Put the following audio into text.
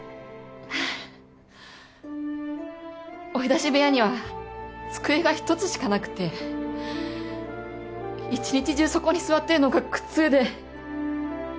追い出し部屋には机が一つしかなくて一日中そこに座ってるのが苦痛で。